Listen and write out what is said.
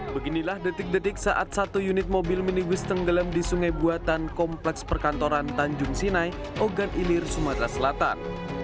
beginilah detik detik saat satu unit mobil minibus tenggelam di sungai buatan kompleks perkantoran tanjung sinai ogan ilir sumatera selatan